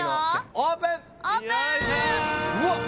オープン何